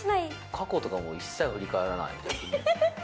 過去とかも一切振り返らない。